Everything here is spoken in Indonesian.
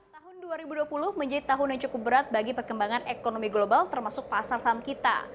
tahun dua ribu dua puluh menjadi tahun yang cukup berat bagi perkembangan ekonomi global termasuk pasar saham kita